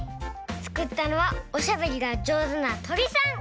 つくったのはおしゃべりがじょうずなとりさん！